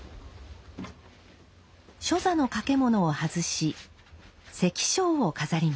初座の掛物を外し石菖を飾ります。